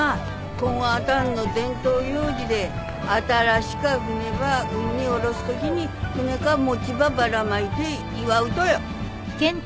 こんあたんの伝統行事で新しか船ば海んに下ろすときに船かっ餅ばばらまいて祝うとよ。